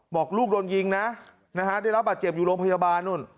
บอกลูกโดนยิงนะได้รับบาดเจ็บอยู่โรงพยาบาลนู่น